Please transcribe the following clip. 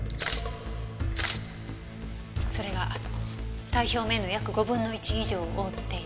それが体表面の約５分の１以上を覆っている。